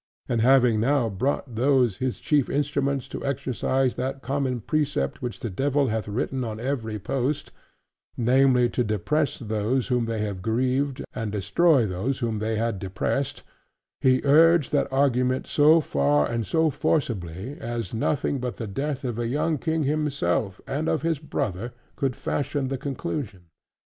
And having now brought those his chief instruments to exercise that common precept which the Devil hath written on every post, namely, to depress those whom they had grieved, and destroy those whom they had depressed; he urged that argument so far and so forcibly, as nothing but the death of the young King himself, and of his brother, could fashion the conclusion.